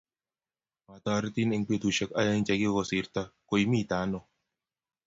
matarotin eng' betusiek oeng' che kakusirto ko imite ano?